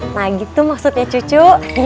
nah gitu maksudnya cucu